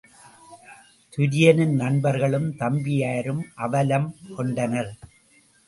துரியனின் நண்பர்களும், தம்பியரும் அவலம் கொண்டனர்.